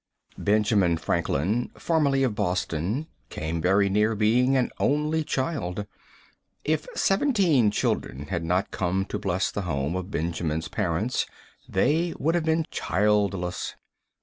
Benjamin Franklin, formerly of Boston, came very near being an only child. If seventeen children had not come to bless the home of Benjamin's parents, they would have been childless.